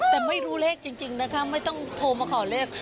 แต่ไม่รู้เลขจริงนะคะไม่ต้องโทรมาขอเลข